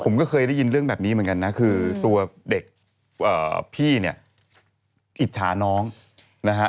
ผมก็เคยได้ยินเรื่องแบบนี้เหมือนกันนะคือตัวเด็กพี่เนี่ยอิจฉาน้องนะฮะ